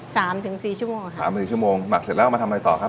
สามถึงสี่ชั่วโมงค่ะสามสี่ชั่วโมงหมักเสร็จแล้วเอามาทำอะไรต่อครับ